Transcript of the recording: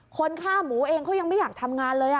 คนฆ่าหมูเองเขายังไม่อยากทำงานเลย